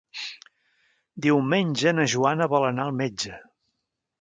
Diumenge na Joana vol anar al metge.